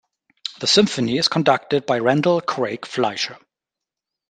The symphony is conducted by Randall Craig Fleischer.